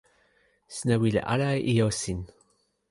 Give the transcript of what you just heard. sina wile ala e ijo sin.